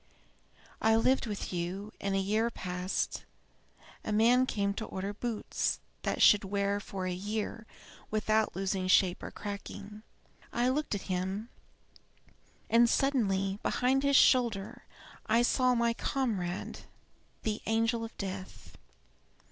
"I lived with you, and a year passed. A man came to order boots that should wear for a year without losing shape or cracking. I looked at him, and suddenly, behind his shoulder, I saw my comrade the angel of death.